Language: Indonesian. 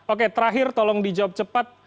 oke terakhir tolong dijawab cepat